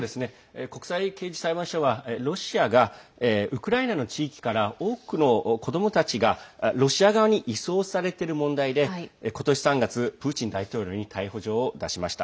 国際刑事裁判所はロシアがウクライナの地域から多くの子どもたちがロシア側に移送されている問題で今年３月プーチン大統領に逮捕状を出しました。